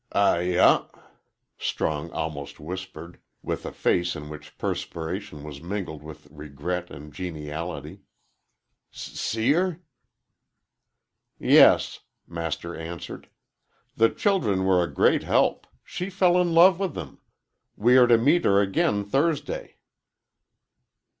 "Ay ah," Strong almost whispered, with a face in which perspiration was mingled with regret and geniality. "S see 'er?" "Yes," Master answered. "The children were a great help. She fell in love with them. We are to meet her again Thursday."